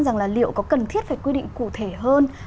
rằng là liệu có cần thiết phải quy định cụ thể hơn